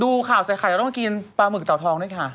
ดูข่าวใส่ไข่เราต้องมากินปลาหมึกเต่าทองด้วยค่ะ